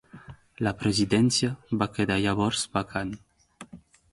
La presidència va quedar llavors vacant.